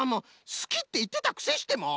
すきっていってたくせしてもう！